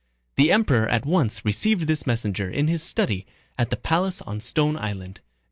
The Emperor at once received this messenger in his study at the palace on Stone Island.